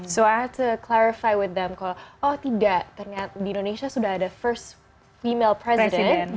so i have to clarify with them kalau oh tidak ternyata di indonesia sudah ada first female president